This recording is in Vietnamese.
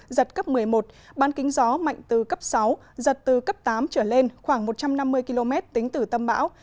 giật cấp một mươi một ban kính gió mạnh từ cấp sáu giật từ cấp tám trở lên khoảng một trăm năm mươi km tính từ tâm bão